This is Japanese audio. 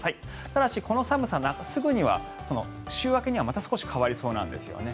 ただしこの寒さ週明けにはまた少し変わりそうなんですよね